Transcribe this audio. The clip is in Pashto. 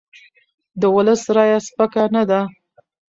د ولس رایه سپکه نه ده